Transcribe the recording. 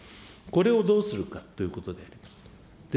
これをどうするかということであります。